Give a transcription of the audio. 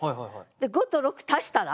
５と６足したら？